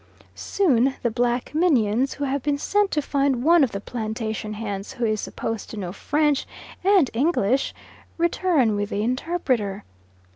Soon the black minions who have been sent to find one of the plantation hands who is supposed to know French and English, return with the "interpreter."